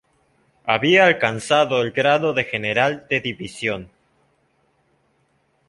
Había alcanzado el Grado de General de División.